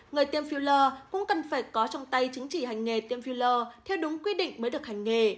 người tiêm filler cũng cần phải có trong tay chứng chỉ hành nghề tiêm filler theo đúng quy định mới được hành nghề